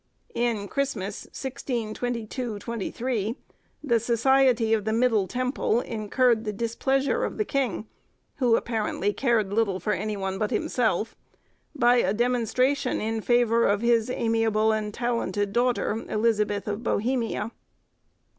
In Christmas, 1622 3, the Society of the Middle Temple incurred the displeasure of the king—who apparently cared little for any one but himself—by a demonstration in favour of his amiable and talented daughter, Elizabeth of Bohemia.